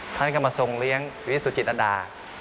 ท่านก็มาทรงเลี้ยงวิสุจิตอดา